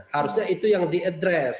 harusnya itu yang diadres